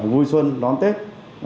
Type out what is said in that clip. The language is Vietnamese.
vui xuân đón tết